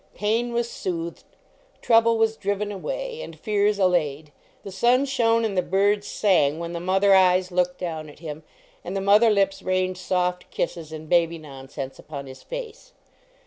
Pain was soothed, trouble was driven away, and fears allayed, the sun shone and the birds sang when the mother eyes looked down at him and the mother lips rained soft kisses and baby nonsense upon his face.